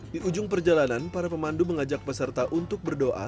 di ujung perjalanan para pemandu mengajak peserta untuk berdoa